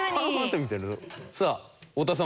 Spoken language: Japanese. さあ太田さん